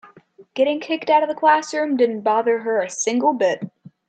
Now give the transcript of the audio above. Getting kicked out of the classroom didn't bother her a single bit.